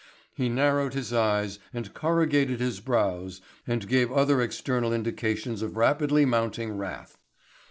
He narrowed his eyes and corrugated his brows and gave other external indications of rapidly mounting wrath.